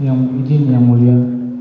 yang izin yang mulia